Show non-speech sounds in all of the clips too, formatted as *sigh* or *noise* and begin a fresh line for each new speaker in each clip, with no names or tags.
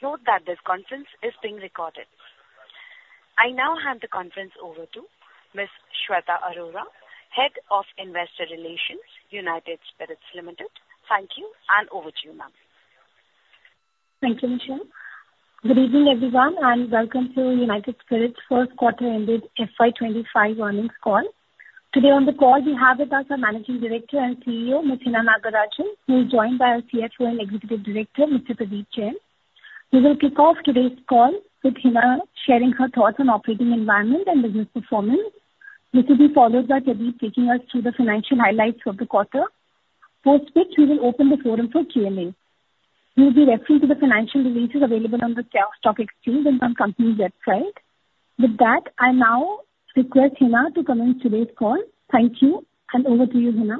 Please note that this conference is being recorded. I now hand the conference over to Ms. Shweta Arora, Head of Investor Relations, United Spirits Limited. Thank you, and over to you, ma'am.
Thank you, Michelle. Good evening, everyone, and welcome to United Spirits' first quarter ended FY 25 earnings call. Today on the call, we have with us our Managing Director and CEO, Ms. Hina Nagarajan, who is joined by our CFO and Executive Director, Mr. Pradeep Jain. We will kick off today's call with Hina sharing her thoughts on operating environment and business performance. This will be followed by Pradeep taking us through the financial highlights of the quarter, post which we will open the forum for Q&A. We will be referring to the financial releases available on the stock exchange and on company website. With that, I now request Hina to commence today's call. Thank you, and over to you, Hina.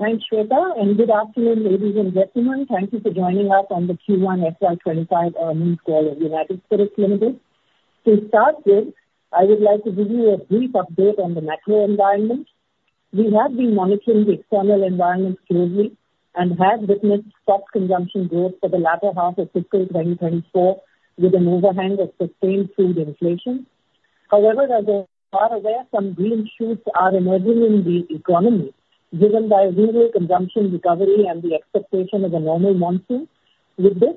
Thanks, Shweta, and good afternoon, ladies and gentlemen. Thank you for joining us on the Q1 FY25 earnings call of United Spirits Limited. To start with, I would like to give you a brief update on the macro environment. We have been monitoring the external environment closely and have witnessed sharp consumption growth for the latter half of fiscal 2024, with an overhang of sustained food inflation. However, as you are aware, some green shoots are emerging in the economy, driven by rural consumption recovery and the expectation of a normal monsoon. With this,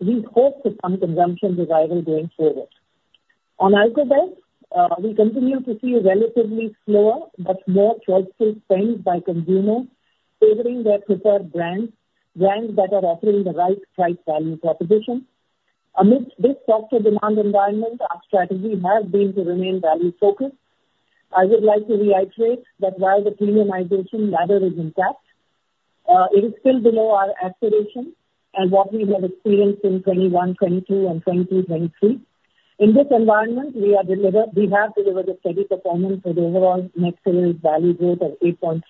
we hope for some consumption revival going forward. On alcohol base, we continue to see a relatively slower but more thoughtful spend by consumers, favoring their preferred brands, brands that are offering the right price value proposition. Amidst this softer demand environment, our strategy has been to remain value-focused. I would like to reiterate that while the premiumization ladder is intact, it is still below our aspiration and what we have experienced in 2021, 2022 and 2022, 2023. In this environment, we are delivered, we have delivered a steady performance with overall mixed sales value growth of 8.3%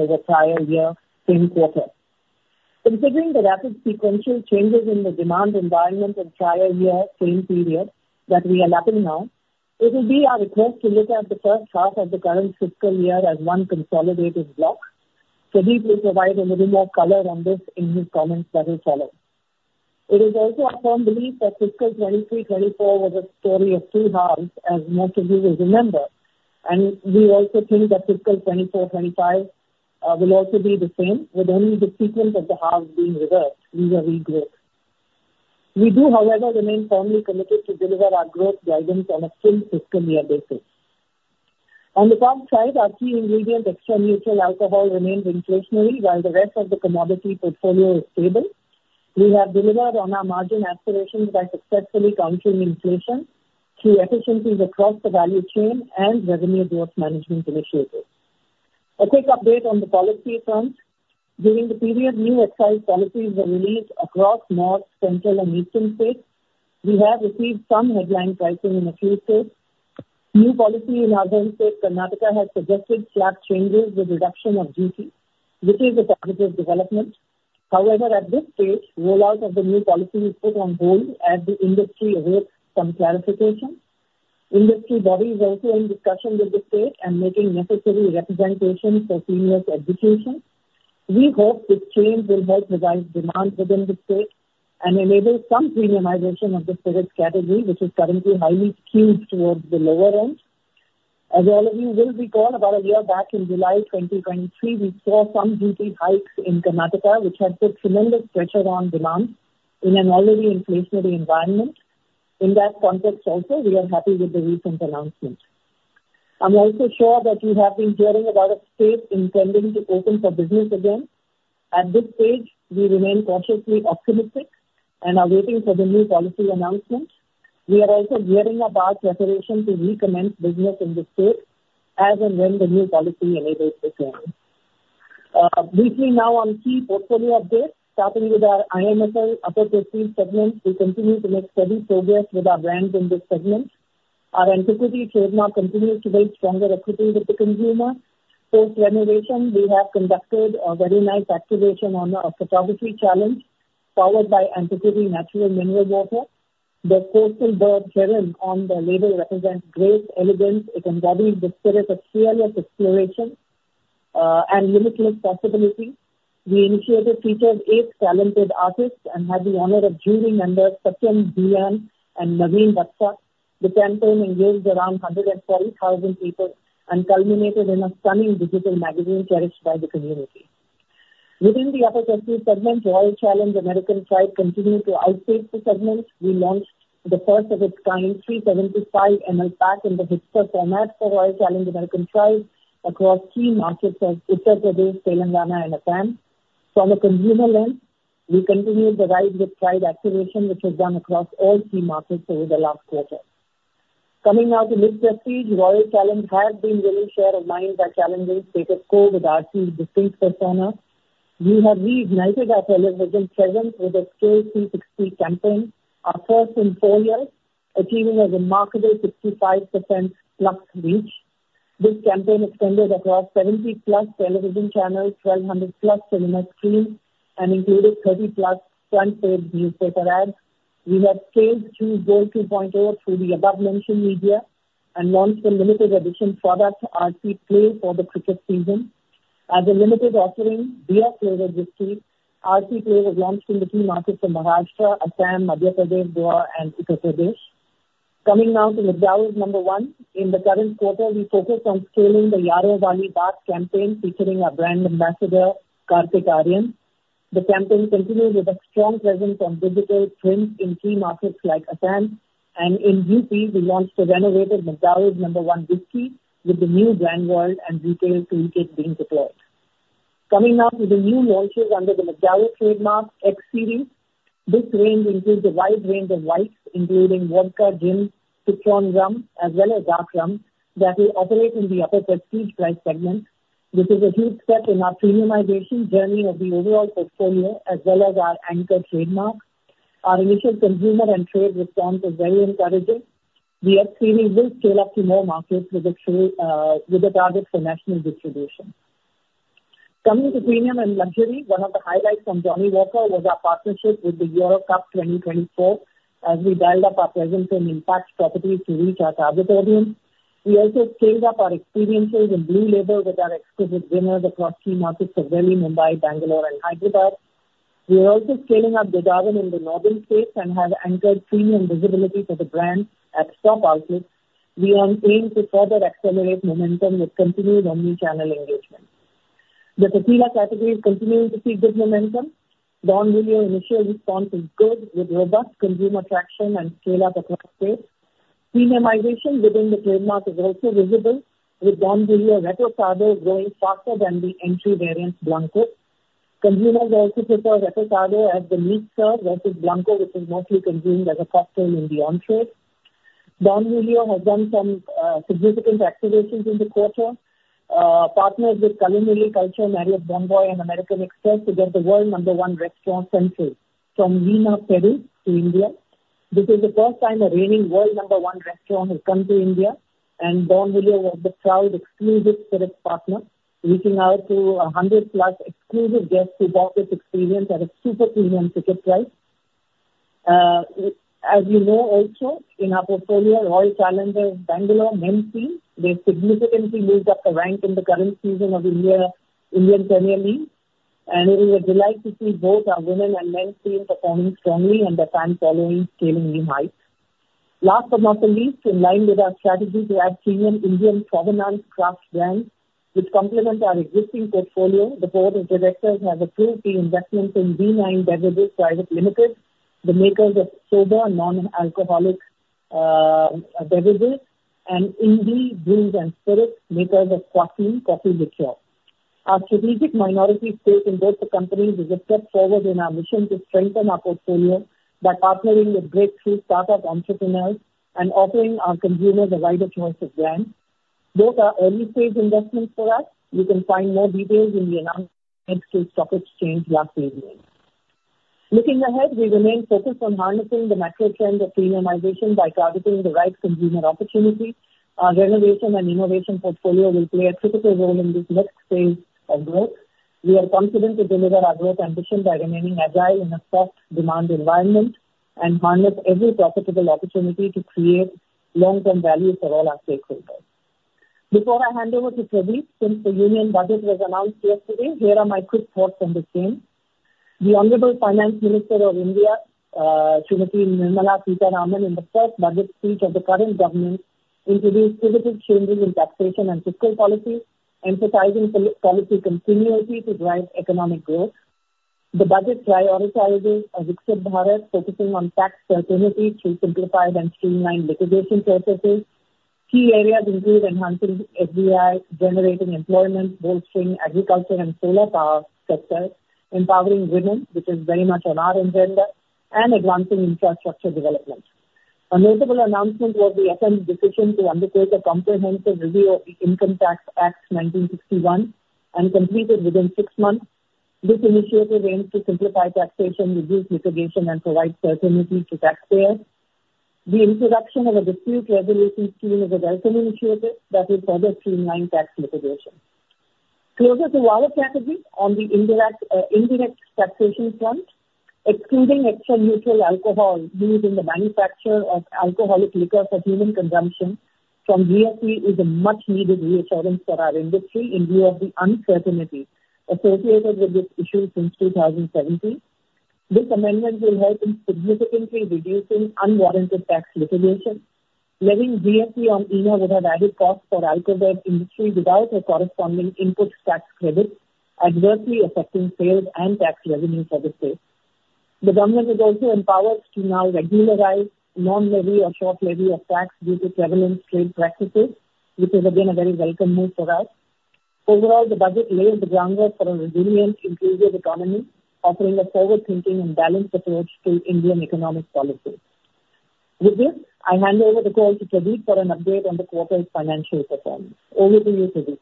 over prior year, same quarter. Considering the rapid sequential changes in the demand environment and prior year same period that we are lacking now, it will be our request to look at the first half of the current fiscal year as one consolidated block. Pradeep will provide a little more color on this in his comments that will follow. It is also our firm belief that fiscal 2023-24 was a story of two halves, as most of you will remember, and we also think that fiscal 2024-25 will also be the same, with only the sequence of the halves being reversed vis-a-vis growth. We do, however, remain firmly committed to deliver our growth guidance on a full fiscal year basis. On the cost side, our key ingredient, extra neutral alcohol, remains inflationary, while the rest of the commodity portfolio is stable. We have delivered on our margin aspirations by successfully countering inflation through efficiencies across the value chain and revenue growth management initiatives. A quick update on the policy front. During the period, new excise policies were released across north, central, and eastern states. We have received some headline pricing in a few states. New policy in southern state, Karnataka, has suggested flat changes with reduction of duty, which is a positive development. However, at this stage, rollout of the new policy is put on hold as the industry awaits some clarification. Industry body is also in discussion with the state and making necessary representations for serious adjudication. We hope this change will help revive demand within the state and enable some premiumization of the spirits category, which is currently highly skewed towards the lower end. As all of you will recall, about a year back in July 2023, we saw some duty hikes in Karnataka, which had put tremendous pressure on demand in an already inflationary environment. In that context also, we are happy with the recent announcement. I'm also sure that you have been hearing about a state intending to open for business again. At this stage, we remain cautiously optimistic and are waiting for the new policy announcement. We are also gearing up our preparation to recommence business in the state as and when the new policy enables the same. Briefly now on key portfolio updates, starting with our IMFL upper prestige segment, we continue to make steady progress with our brands in this segment. Our Antiquity, Royal Challenge, continues to build stronger equity with the consumer. Post renovation, we have conducted a very nice activation on a photography challenge powered by Antiquity Natural Mineral Water. The coastal bird heron on the label represents grace, elegance. It embodies the spirit of fearless exploration, and limitless possibility. The initiative featured eight talented artists and had the honor of jury members Satyan Bien and Naveen Bajaj. The campaign engaged around 140,000 people and culminated in a stunning digital magazine cherished by the community. Within the upper prestige segment, Royal Challenge American Pride continued to uptake the segment. We launched the first of its kind 375 ml pack in the Hipster format for Royal Challenge American Pride across key markets such as Uttar Pradesh, Telangana, and Assam. From a consumer lens, we continued the ride with trade activation, which was done across all key markets over the last quarter. Coming now to mid-prestige, Royal Challenge has been winning share of mind by challenging status quo with our distinct persona. We have reignited our television presence with a scale 360 campaign, our first in four years, achieving a remarkable 65%+ reach. This campaign extended across 70+ television channels, 1,200+ cinema screens, and included 30+ front-page newspaper ads. We have scaled through Goal 2.0 through the above-mentioned media and launched a limited edition product, RC Play, for the cricket season. As a limited offering, BF flavored whiskey, RC flavored launched in the key markets of Maharashtra, Assam, Madhya Pradesh, Goa, and Uttar Pradesh. Coming now to McDowell's Number One. In the current quarter, we focused on scaling the Yaaron Wali Baat campaign featuring our brand ambassador, Kartik Aaryan. The campaign continues with a strong presence on digital trends in key markets like Assam, and in UP, we launched the renovated McDowell's Number One whiskey with the new brand world and retail toolkit being deployed. Coming now to the new launches under the McDowell's trademark, X Series. This range includes a wide range of whites, including vodka, gin, citron rum, as well as dark rum, that will operate in the upper prestige price segment. This is a huge step in our premiumization journey of the overall portfolio, as well as our anchor trademark. Our initial consumer and trade response is very encouraging. The X Series will scale up to more markets with the, with a target for national distribution. Coming to premium and luxury, one of the highlights from Johnnie Walker was our partnership with the Euro Cup 2024, as we built up our presence in impact properties to reach our target audience. We also scaled up our experiences in Blue Label with our exquisite dinners across key markets of Delhi, Mumbai, Bengaluru and Hyderabad. We are also scaling up the Jaguar in the northern states and have anchored premium visibility for the brand at stock outlets. We are aimed to further accelerate momentum with continued omnichannel engagement. The Tequila category is continuing to see good momentum. Don Julio initial response is good, with robust consumer traction and scale up across states. Premiumization within the trademark is also visible, with Don Julio Reposado growing faster than the entry variant Blanco. Consumers also prefer Reposado as the mixer versus Blanco, which is mostly consumed as a cocktail in the on-trade. Don Julio has done some significant activations in the quarter, partners with Culinary Culture, Marriott Bonvoy, and American Express to get the world number one restaurant Central from Lima, Peru, to India. This is the first time a reigning world number one restaurant has come to India, and Don Julio was the proud exclusive spirit partner, reaching out to 100+ exclusive guests who bought this experience at a super premium ticket price. As you know also, in our portfolio, Royal Challengers Bengaluru men's team, they significantly moved up the rank in the current season of the Indian Premier League, and it was a delight to see both our women and men's team performing strongly and the fan following scaling new heights. Last but not least, in line with our strategy to add premium Indian sovereign craft brands, which complement our existing portfolio, the board of directors has approved the investment in V9 Beverages Private Limited, the makers of sober non-alcoholic beverages, and Indie Brews & Spirits, makers of Quaffine coffee liqueur. Our strategic minority stake in both the companies is a step forward in our mission to strengthen our portfolio by partnering with breakthrough startup entrepreneurs and offering our consumers a wider choice of brands. Both are early-stage investments for us. You can find more details in the announcement to stock exchange last evening. Looking ahead, we remain focused on harnessing the macro trends of premiumization by targeting the right consumer opportunity. Our renovation and innovation portfolio will play a critical role in this next phase of growth. We are confident to deliver our growth ambition by remaining agile in a soft demand environment and harness every profitable opportunity to create long-term value for all our stakeholders. Before I hand over to Pradeep, since the Union Budget was announced yesterday, here are my quick thoughts on the same. The Honorable Finance Minister of India, Srimati Nirmala Sitharaman, in the first budget speech of the current government, introduced positive changes in taxation and fiscal policy, emphasizing policy continuity to drive economic growth. The budget prioritizes a Viksit Bharat, focusing on tax certainty through simplified and streamlined litigation processes. Key areas include enhancing FDI, generating employment, bolstering agriculture and solar power sectors, empowering women, which is very much on our agenda, and advancing infrastructure development. A notable announcement was the FM's decision to undertake a comprehensive review of the Income Tax Act 1961 and complete it within six months. This initiative aims to simplify taxation, reduce litigation, and provide certainty to taxpayers. The introduction of a dispute resolution scheme is a welcome initiative that will further streamline tax litigation. Closer to our category on the indirect, indirect taxation front, excluding extra neutral alcohol used in the manufacture of alcoholic liquor for human consumption from GST is a much needed reassurance for our industry in lieu of the uncertainty associated with this issue since 2017. This amendment will help in significantly reducing unwarranted tax litigation. Raising GST on ENA would have added cost for alcohol industry without a corresponding input tax credit, adversely affecting sales and tax revenue for the state. The government is also empowered to now regularize non-levy or short levy of tax due to prevalent trade practices, which is again a very welcome move for us. Overall, the budget lays the groundwork for a resilient, inclusive economy, offering a forward-thinking and balanced approach to Indian economic policy. With this, I hand over the call to Pradeep for an update on the quarter's financial performance. Over to you, Pradeep.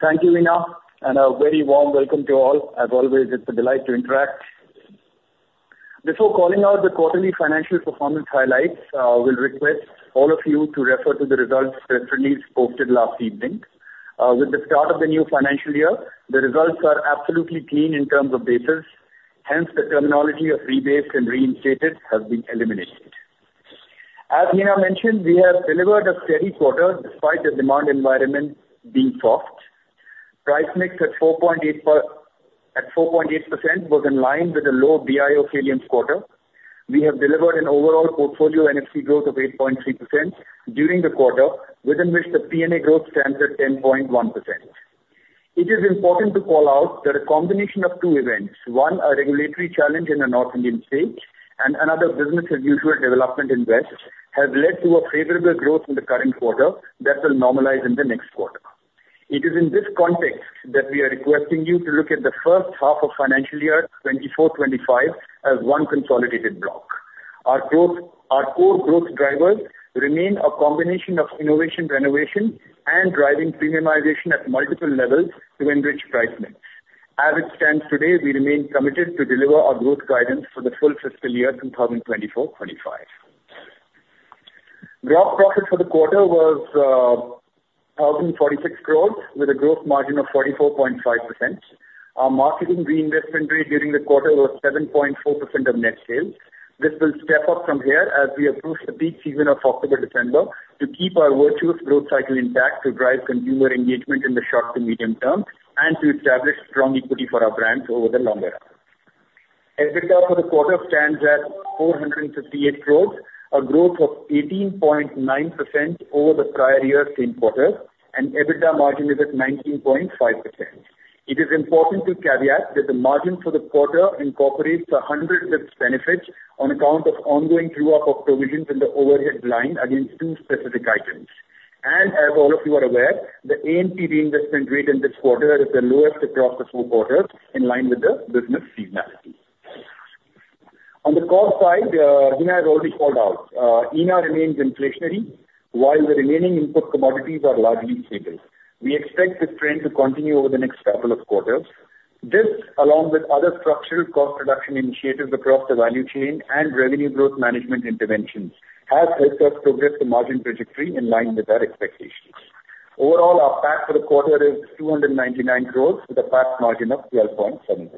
Thank you, Hina, and a very warm welcome to all. As always, it's a delight to interact. Before calling out the quarterly financial performance highlights, we'll request all of you to refer to the results press release posted last evening. With the start of the new financial year, the results are absolutely clean in terms of basis, hence, the terminology of rebased and reinstated has been eliminated.... As Hina mentioned, we have delivered a steady quarter despite the demand environment being soft. Price mix at 4.8 per, at 4.8% was in line with the low BIO cadence quarter. We have delivered an overall portfolio NFC growth of 8.3% during the quarter, within which the PNA growth stands at 10.1%. It is important to call out that a combination of two events, one, a regulatory challenge in a North Indian state, and another business as usual development in West, has led to a favorable growth in the current quarter that will normalize in the next quarter. It is in this context that we are requesting you to look at the first half of financial year 2024/2025 as one consolidated block. Our growth, our core growth drivers remain a combination of innovation, renovation, and driving premiumization at multiple levels to enrich price mix. As it stands today, we remain committed to deliver our growth guidance for the full fiscal year 2024/2025. Gross profit for the quarter was 1,046 crores, with a gross margin of 44.5%. Our marketing reinvestment rate during the quarter was 7.4% of net sales. This will step up from here as we approach the peak season of October-December to keep our virtuous growth cycle intact, to drive consumer engagement in the short to medium term, and to establish strong equity for our brands over the longer run. EBITDA for the quarter stands at 458 crore, a growth of 18.9% over the prior year's same quarter, and EBITDA margin is at 19.5%. It is important to caveat that the margin for the quarter incorporates a hundred bps benefit on account of ongoing true up of provisions in the overhead line against two specific items. As all of you are aware, the A&P investment rate in this quarter is the lowest across the four quarters, in line with the business seasonality. On the cost side, Hina has already called out. ENA remains inflationary, while the remaining input commodities are largely stable. We expect this trend to continue over the next couple of quarters. This, along with other structural cost reduction initiatives across the value chain and revenue growth management interventions, has helped us progress the margin trajectory in line with our expectations. Overall, our PAT for the quarter is 299 crore, with a PAT margin of 12.7%.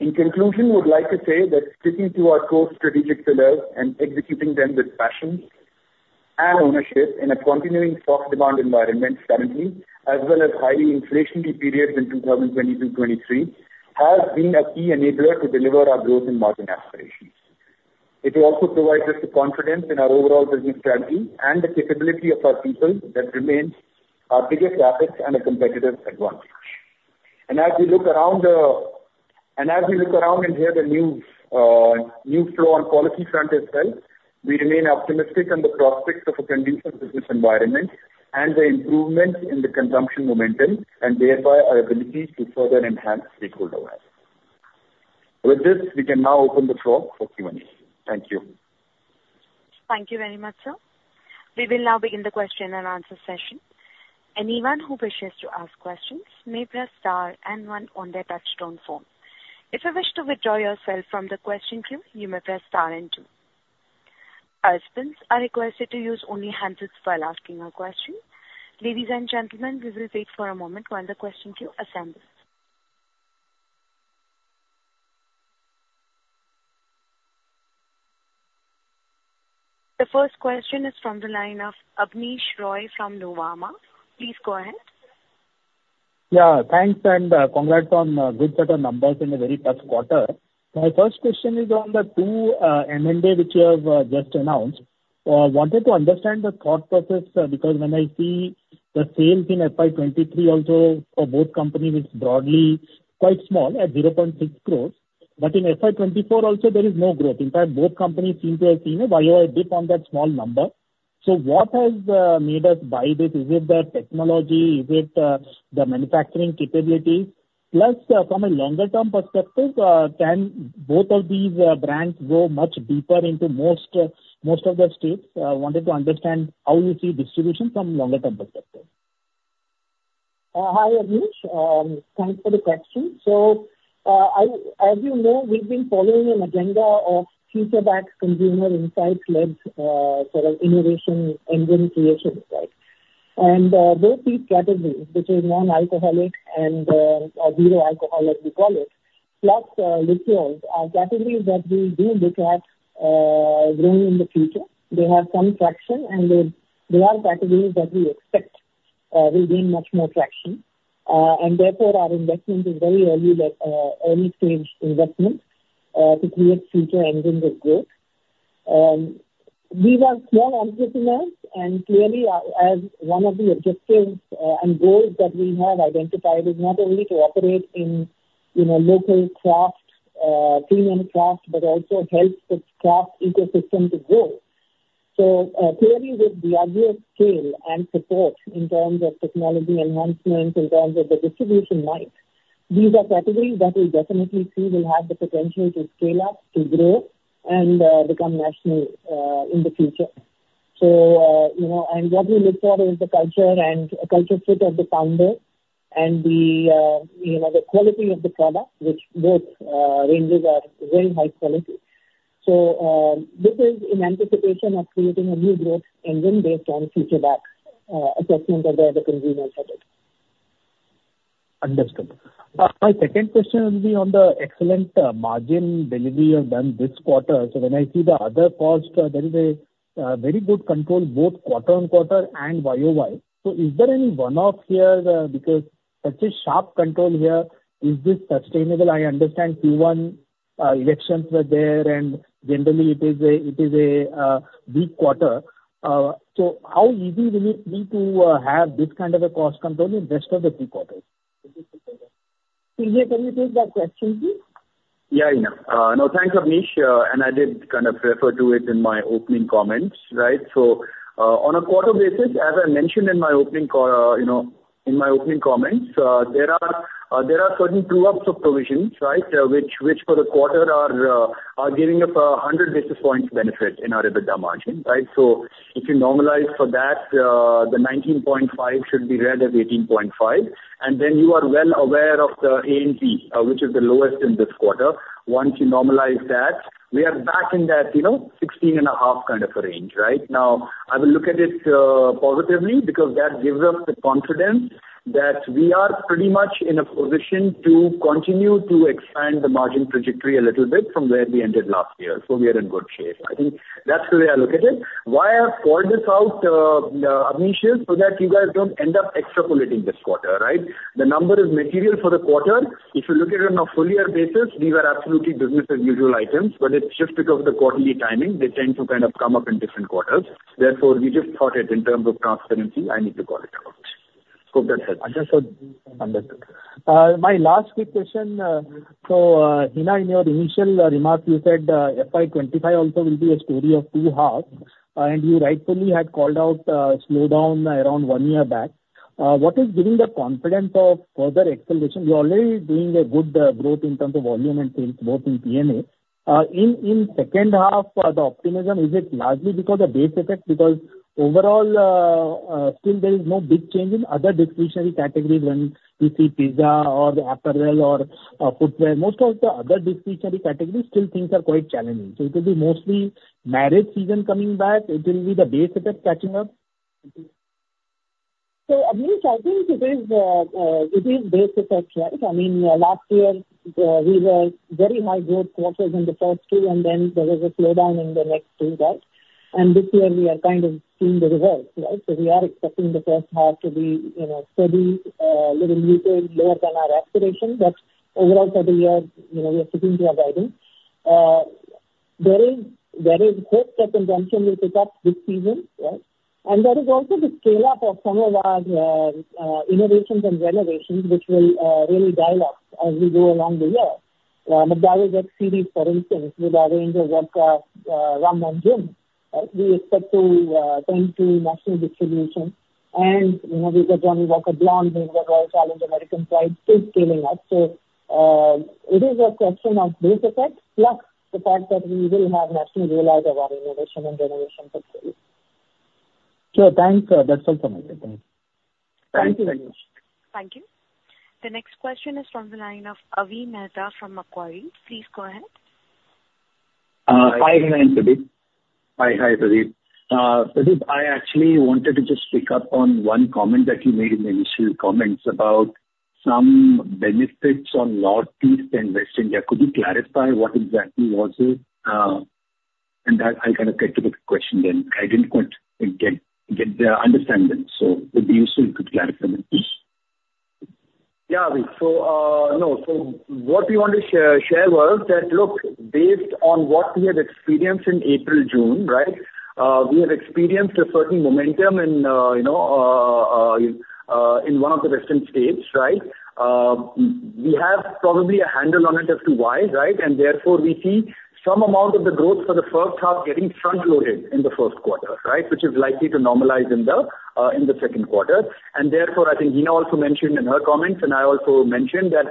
In conclusion, we would like to say that sticking to our core strategic pillars and executing them with passion and ownership in a continuing soft demand environment currently, as well as highly inflationary periods in 2020-2023, has been a key enabler to deliver our growth and margin aspirations. It also provides us the confidence in our overall business strategy and the capability of our people that remains our biggest asset and a competitive advantage. And as we look around, and as we look around and hear the new, new flow on policy front itself, we remain optimistic on the prospects of a conducive business environment and the improvements in the consumption momentum, and thereby our ability to further enhance stakeholder value. With this, we can now open the floor for Q&A. Thank you.
Thank you very much, sir. We will now begin the question and answer session. Anyone who wishes to ask questions may press star and one on their touchtone phone. If you wish to withdraw yourself from the question queue, you may press star and two. Participants are requested to use only handsets while asking a question. Ladies and gentlemen, we will wait for a moment while the question queue assembles. The first question is from the line of Abneesh Roy from Nuvama. Please go ahead.
Yeah, thanks, and, congrats on good set of numbers in a very tough quarter. My first question is on the two M&A, which you have just announced. Wanted to understand the thought process, because when I see the sales in FY 2023, also for both companies, it's broadly quite small, at 0.6 crore. But in FY 2024 also, there is no growth. In fact, both companies seem to have seen a YOY dip on that small number. So what has made us buy this? Is it the technology? Is it the manufacturing capability? Plus, from a longer term perspective, can both of these brands grow much deeper into most of the states? Wanted to understand how you see distribution from longer term perspective.
Hi, Abneesh, thanks for the question. So, as you know, we've been following an agenda of future-backed, consumer insights-led, sort of, innovation engine creations, right? And, both these categories, which is non-alcoholic and, zero alcohol, as we call it, plus, liqueurs, are categories that we do look at, growing in the future. They have some traction, and they are categories that we expect, will gain much more traction. And therefore, our investment is very early, but, early stage investment, to create future engines of growth. We were small entrepreneurs, and clearly, as one of the objectives, and goals that we have identified, is not only to operate in a local craft, premium craft, but also help the craft ecosystem to grow. So, clearly with Diageo's scale and support in terms of technology enhancements, in terms of the distribution might, these are categories that we definitely see will have the potential to scale up, to grow and, become national, in the future. So, you know, and what we look for is the culture and culture fit of the founder and the, you know, the quality of the product, which both, ranges are very high quality. So, this is in anticipation of creating a new growth engine based on future back, assessment of the other consumer sets.
...Understood. My second question will be on the excellent margin delivery you have done this quarter. So when I see the other cost, there is a very good control, both quarter-on-quarter and YOY. So is there any one-off here, because such a sharp control here, is this sustainable? I understand Q1 elections were there, and generally it is a big quarter. So how easy will it be to have this kind of a cost control in rest of the three quarters?
Pradeep, can you take that question, please?
Yeah, Hina. No, thanks, Amish, and I did kind of refer to it in my opening comments, right? So, on a quarter basis, as I mentioned in my opening comments, you know, there are, there are certain true-ups of provisions, right? Which, which for the quarter are, are giving us 100 basis points benefit in our EBITDA margin, right? So if you normalize for that, the 19.5 should be read as 18.5. And then, you are well aware of the A&P, which is the lowest in this quarter. Once you normalize that, we are back in that, you know, 16.5 kind of a range, right? Now, I will look at it positively, because that gives us the confidence that we are pretty much in a position to continue to expand the margin trajectory a little bit from where we ended last year. So we are in good shape. I think that's the way I look at it. Why I called this out, Abneesh, is so that you guys don't end up extrapolating this quarter, right? The number is material for the quarter. If you look at it on a full year basis, these are absolutely business as usual items, but it's just because of the quarterly timing, they tend to kind of come up in different quarters. Therefore, we just thought it, in terms of transparency, I need to call it out. Hope that helps.
Understood. Understood. My last quick question, so, Hina, in your initial remarks, you said, FY 25 also will be a story of two halves, and you rightfully had called out slowdown around one year back. What is giving the confidence of further acceleration? You're already doing a good growth in terms of volume and sales, both in PNA. In second half, the optimism, is it largely because the base effect? Because overall, still there is no big change in other discretionary categories when you see pizza or apparel or footwear. Most of the other discretionary categories, still things are quite challenging. So it will be mostly marriage season coming back, it will be the base effect catching up?
So, Amish, I think it is base effect, right? I mean, last year we were very high growth quarters in the first two, and then there was a slowdown in the next two, right? And this year we are kind of seeing the reverse, right? So we are expecting the first half to be, you know, steady, little muted, lower than our aspiration. But overall for the year, you know, we are sticking to our guidance. There is hope that consumption will pick up this season, right? And there is also the scale-up of some of our innovations and renovations, which will really dial up as we go along the year. McDowell's X Series, for instance, with our range of vodka, rum, and gin, we expect to, thanks to national distribution. You know, we've got Johnnie Walker Blonde, we've got Royal Challenge American Pride is scaling up. So, it is a question of base effect, plus the fact that we will have national rollout of our innovation and generation products.
Sure, thanks. That's all from my end. Thanks.
Thank you very much.
Thank you. The next question is from the line of Avi Mehta from Macquarie. Please go ahead.
Hi, Hina and Pradeep. Hi, hi, Pradeep. Pradeep, I actually wanted to just pick up on one comment that you made in the initial comments about some benefits on North East and West India. Could you clarify what exactly was it? And that I kind of get to the question then. I didn't quite get the understanding, so it'd be useful if you could clarify please.
Yeah, Avi. So, no, so what we want to share was that, look, based on what we had experienced in April, June, right? We have experienced a certain momentum in, you know, in one of the western states, right? We have probably a handle on it as to why, right? And therefore, we see some amount of the growth for the first half getting frontloaded in the first quarter, right? Which is likely to normalize in the second quarter. And therefore, I think Hina also mentioned in her comments, and I also mentioned, that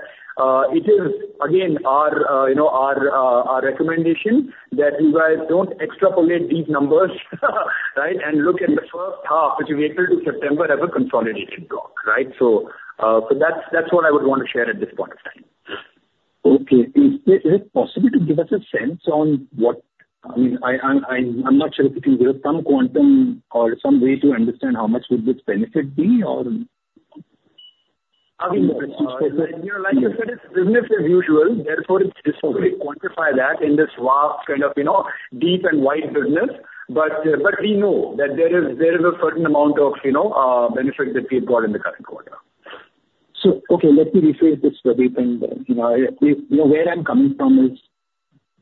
it is again our you know, our recommendation that you guys don't extrapolate these numbers, right? And look at the first half, which is April to September, as a consolidated block, right? So that's what I would want to share at this point in time.
Okay. Is it possible to give us a sense on what... I mean, I'm not sure if you can give some quantum or some way to understand how much would this benefit be, or?
You know, like you said, it's business as usual, therefore it's difficult to quantify that in this vast kind of you know, deep and wide business. But we know that there is a certain amount of, you know, benefit that we've got in the current quarter.
So, okay, let me rephrase this, Pradeep, and, you know, where I'm coming from is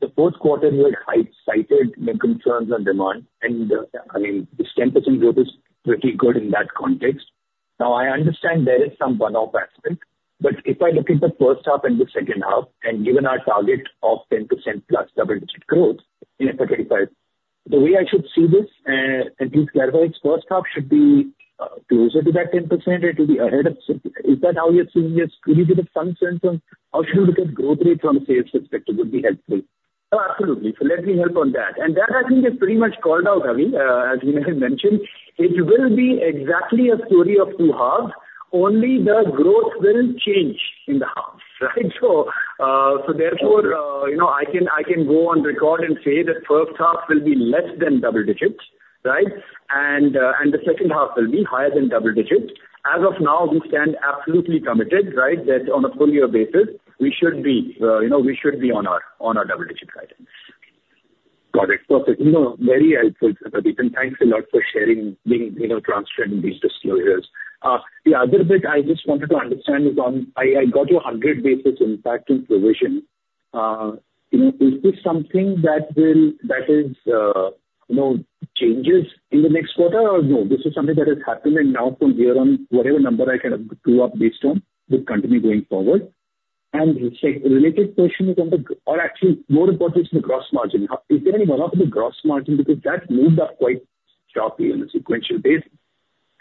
the fourth quarter, you had highlighted the concerns on demand, and, I mean, this 10% growth is pretty good in that context. Now, I understand there is some one-off aspect, but if I look at the first half and the second half, and given our target of 10% plus double-digit growth in FY 2025, the way I should see this, and please clarify, it's first half should be closer to that 10% or to be ahead of... Is that how you're seeing this? Could you give us some sense on how we should look at growth rate from a sales perspective? Would be helpful.
Absolutely. So let me help on that. And that, I think, is pretty much called out, Avi. As Hina mentioned, it will be exactly a story of two halves, only the growth will change in the halves, right? So, therefore. Okay. You know, I can go on record and say that first half will be less than double digits. Right? And the second half will be higher than double digits. As of now, we stand absolutely committed, right? That on a full year basis, we should be, you know, we should be on our double digit item.
Got it. Perfect. You know, very helpful, Pradeep, thanks a lot for sharing, being, you know, transparent in these disclosures. The other bit I just wanted to understand is on, I, I got you 100 basis impact in provision. You know, is this something that will, that is, you know, changes in the next quarter, or no, this is something that has happened, and now from here on, whatever number I can true up based on, will continue going forward? And a, a related question is on the- or actually, more important is the gross margin. Is there any one off the gross margin? Because that moved up quite sharply on a sequential basis,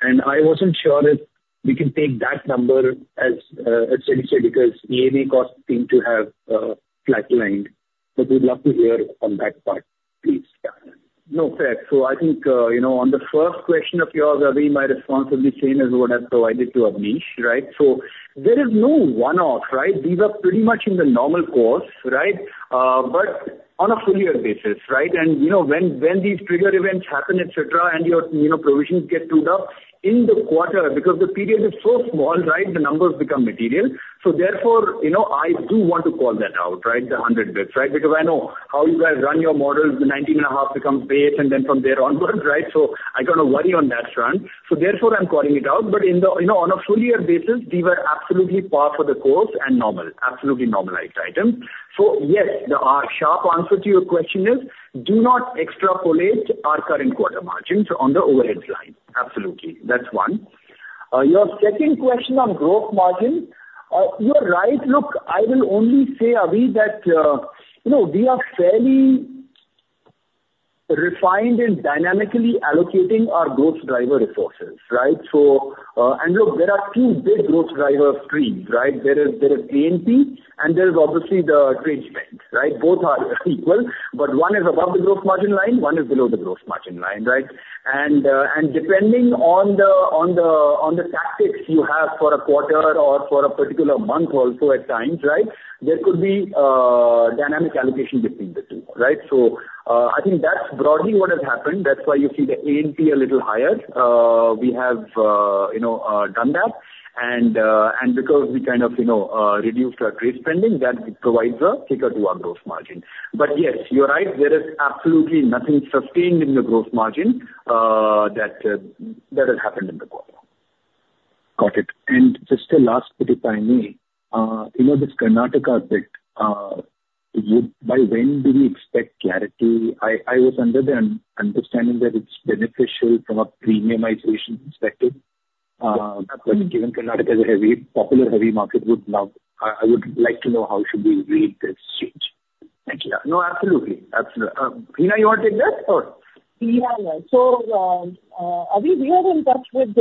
and I wasn't sure if we can take that number as, as steady state, because MEA costs seem to have, flatlined, but we'd love to hear on that part, please.
No, fair. So I think, you know, on the first question of yours, Avi, my response will be same as what I've provided to Abneesh, right? So there is no one-off, right? These are pretty much in the normal course, right? But on a full year basis, right? And, you know, when these trigger events happen, etc., and your, you know, provisions get tuned up, in the quarter, because the period is so small, right, the numbers become material. So therefore, you know, I do want to call that out, right? The 100 bits, right? Because I know how you guys run your models, the 19.5 become base, and then from there onwards, right? So I kind of worry on that front. So therefore, I'm calling it out. But in the... You know, on a full year basis, these were absolutely par for the course and normal, absolutely normalized items. So yes, the sharp answer to your question is, do not extrapolate our current quarter margins on the overhead line. Absolutely. That's one. Your second question on gross margin. You are right. Look, I will only say, Avi, that you know, we are fairly refined in dynamically allocating our growth driver resources, right? So, and look, there are two big growth driver streams, right? There is, there is A&P and there's obviously the trade spend, right? Both are equal, but one is above the gross margin line, one is below the gross margin line, right? Depending on the tactics you have for a quarter or for a particular month also at times, right, there could be dynamic allocation between the two, right? So, I think that's broadly what has happened. That's why you see the A&P a little higher. We have, you know, done that, and because we kind of, you know, reduced our trade spending, that provides a kicker to our gross margin. But yes, you're right, there is absolutely nothing sustained in the gross margin that has happened in the quarter.
Got it. And just a last bit, if I may. You know, this Karnataka bit, by when do we expect clarity? I was under the understanding that it's beneficial from a premiumization perspective. But given Karnataka is a heavy, popular heavy market with NOW, I would like to know how should we read this change? Thank you. No, absolutely. Absolutely. Hina, you want to take that? Sure.
Yeah. So, Avi, we are in touch with,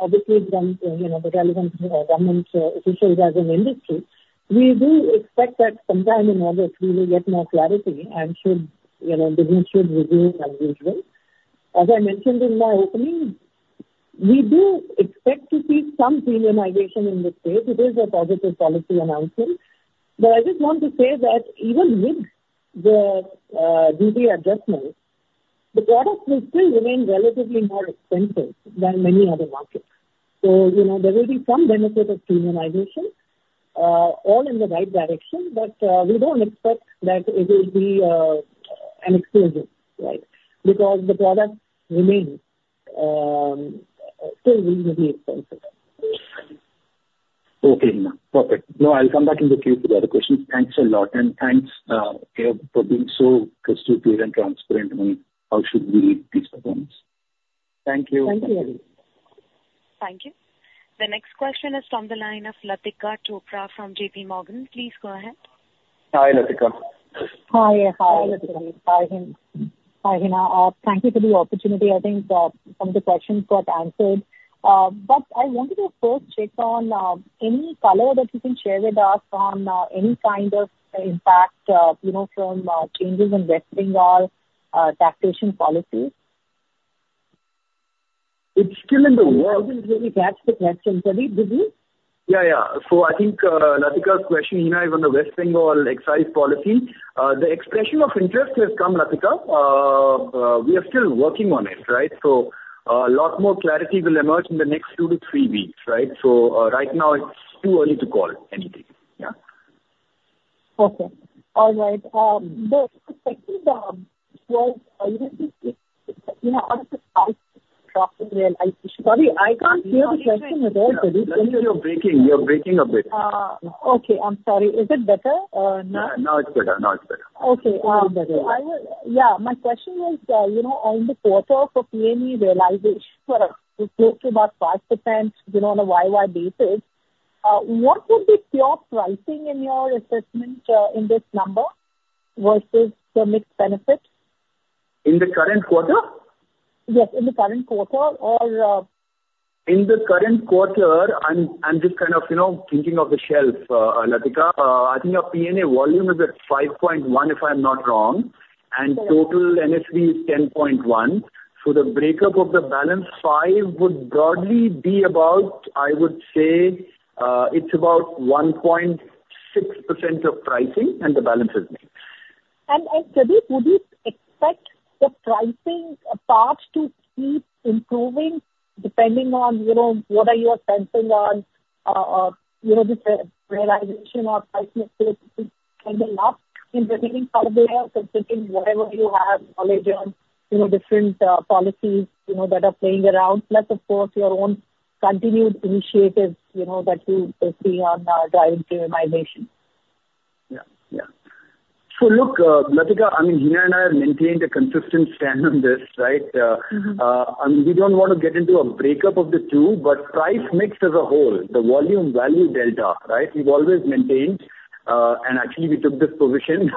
obviously, you know, the relevant government officials as an industry. We do expect that sometime in August we will get more clarity, and should, you know, business should resume as usual. As I mentioned in my opening, we do expect to see some premiumization in the state. It is a positive policy announcement. But I just want to say that even with the duty adjustments, the product will still remain relatively more expensive than many other markets. So, you know, there will be some benefit of premiumization, all in the right direction, but we don't expect that it will be an explosion, right? Because the product remains, still will be expensive.
Okay, Hina. Perfect. No, I'll come back in the queue for the other questions. Thanks a lot, and thanks, yeah, for being so crystal clear and transparent on how should we read these performance. Thank you.
Thank you, Avi.
Thank you. The next question is from the line of Latika Chopra from J.P. Morgan. Please go ahead.
Hi, Latika.
Hi, hi, Pradeep. Hi, Hina. Thank you for the opportunity. I think some of the questions got answered. But I wanted to first check on any color that you can share with us on any kind of impact, you know, from changes in West Bengal taxation policies.
It's still in the works.
I didn't really catch the question. Praveen, did you?
Yeah, yeah. So I think Latika's question, Hina, is on the West Bengal excise policy. The expression of interest has come, Latika. We are still working on it, right? So, a lot more clarity will emerge in the next 2-3 weeks, right? So, right now it's too early to call anything. Yeah.
Okay. All right, the second was, you know, I, Praveen. *crosstalk*
Latika, you're breaking, you're breaking a bit.
Okay. I'm sorry. Is it better or not?
Yeah. Now it's better. Now it's better.
Okay. Yeah, my question is, you know, on the quarter for PME realization, it's close to about 5%, you know, on a YY basis. What would be pure pricing in your assessment, in this number versus the mixed benefit?
In the current quarter?
Yes, in the current quarter or,
In the current quarter, I'm just kind of, you know, thinking off the shelf, Latika. I think our PNA volume is at 5.1, if I'm not wrong, and total NSV is 10.1. So the breakup of the balance five would broadly be about, I would say, it's about 1.6% of pricing and the balance is mix.
Pradeep, would you expect the pricing path to keep improving depending on, you know, what are your sensing on, you know, the realization of pricing flexibility ending up in the remaining part of the year? Considering whatever you have knowledge on, you know, different, policies you know, that are playing around, plus of course, your own continued initiatives, you know, that you are seeing on, driving premiumization.
Yeah, yeah. So look, Latika, I mean, Hina and I have maintained a consistent stand on this, right?
Mm-hmm.
And we don't want to get into a breakup of the two, but price mix as a whole, the volume-value delta, right? We've always maintained, and actually we took this position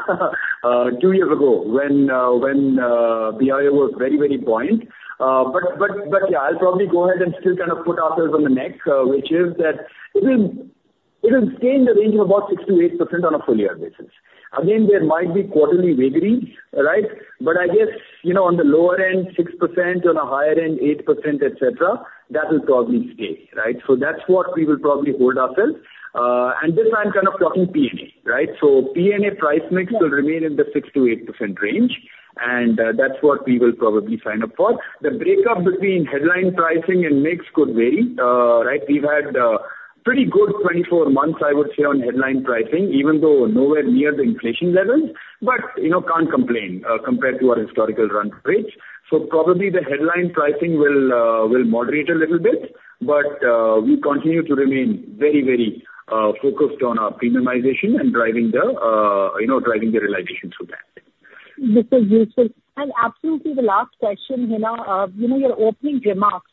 two years ago when BI was very, very buoyant. But yeah, I'll probably go ahead and still kind of put ourselves on the hook, which is that it will stay in the range of about 6%-8% on a full year basis. Again, there might be quarterly wiggles, right? But I guess, you know, on the lower end, 6%, on a higher end, 8%, etc., that will probably stay, right? So that's what we will probably hold ourselves to. And this I'm kind of talking PNA, right? So PNA price mix will remain in the 6%-8% range, and that's what we will probably sign up for. The breakup between headline pricing and mix could vary, right? We've had pretty good 24 months, I would say, on headline pricing, even though nowhere near the inflation levels, but you know, can't complain compared to our historical run rate. So probably the headline pricing will will moderate a little bit, but we continue to remain very, very focused on our premiumization and driving the you know driving the realization through that.
This is useful. And absolutely the last question, Hina, you know, your opening remarks,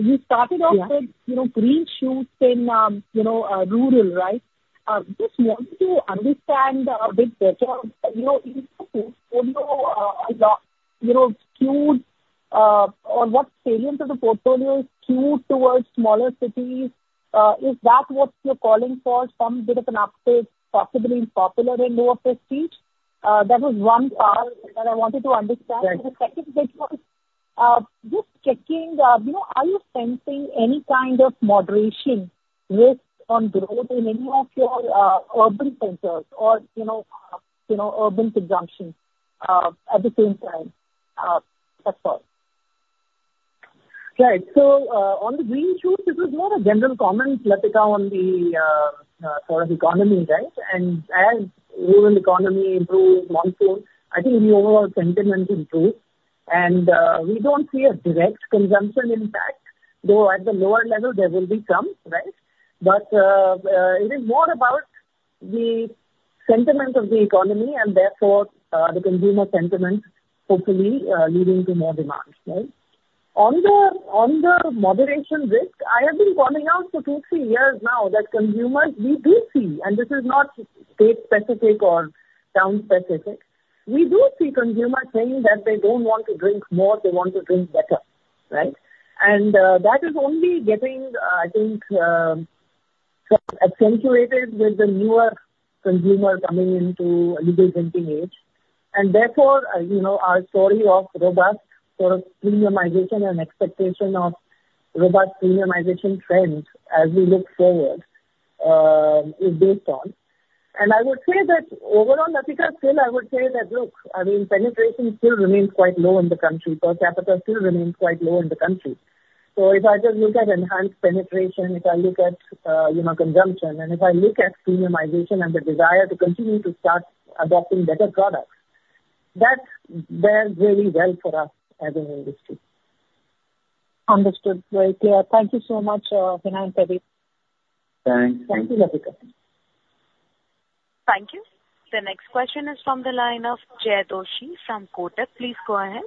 you started off. Yeah. With, you know, green shoots in, you know, rural, right? Just want to understand a bit better, you know, in the portfolio, you know, skewed, or what segments of the portfolio skewed towards smaller cities, is that what you're calling for, some bit of an uptick, possibly in popular and lower prestige? That was one part that I wanted to understand. Right. And the second bit was, just checking, you know, are you sensing any kind of moderation risk on growth in any of your urban centers or, you know, urban consumption, at the same time? That's all. Right.
So, on the green shoots, it was more a general comment, Latika, on the sort of economy, right? And, as rural economy improves monsoons, I think the overall sentiment improved. And, we don't see a direct consumption impact, though at the lower level there will be some, right? But, it is more about the sentiment of the economy, and therefore, the consumer sentiment hopefully leading to more demand, right? On the moderation risk, I have been calling out for two, three years now that consumers, we do see, and this is not state-specific or town-specific, we do see consumers saying that they don't want to drink more, they want to drink better, right? And, that is only getting, I think, accentuated with the newer consumer coming into legal drinking age. And therefore, you know, our story of robust sort of premiumization and expectation of robust premiumization trends as we look forward, is based on. And I would say that overall, Latika, still I would say that, look, I mean, penetration still remains quite low in the country. Per capita still remains quite low in the country. So if I just look at enhanced penetration, if I look at, you know, consumption, and if I look at premiumization and the desire to continue to start adopting better products, that bodes really well for us as an industry.
Understood. Very clear. Thank you so much, Hina and Pradeep.
Thanks.
Thank you, Latika.
Thank you. The next question is from the line of Jay Doshi from Kotak. Please go ahead.